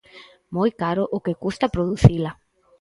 Moi caro o que custa producila.